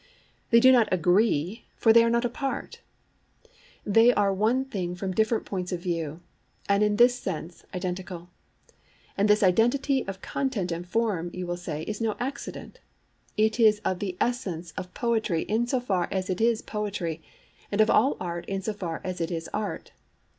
They do not 'agree,' for they are not apart: they are one thing from different points of view, and in that sense identical. And this identity of content and form, you will say, is no accident; it is of the essence of poetry in so far as it is poetry, and of all art in so far as it is art.